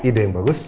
ide yang bagus